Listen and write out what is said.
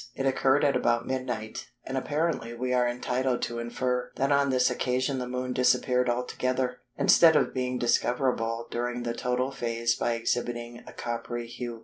It occurred at about midnight, and apparently we are entitled to infer that on this occasion the Moon disappeared altogether, instead of being discoverable during the total phase by exhibiting a coppery hue.